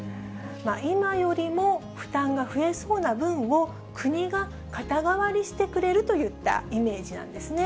今よりも負担が増えそうな分を、国が肩代わりしてくれるといったイメージなんですね。